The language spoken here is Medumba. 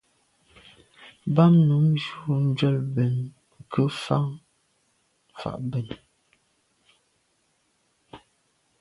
Bam num njù njwèle mbèn nke nfà’ fà’ ben.